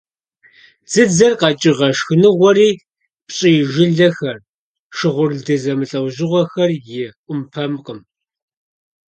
Дзыдзэр къэкӀыгъэ шхыныгъуэри - пщӀий жылэхэр, шыгъурлды зэмылӀэужьыгъуэхэр - и Ӏумпэмкъым.